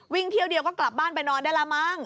เที่ยวเดียวก็กลับบ้านไปนอนได้ละมั้ง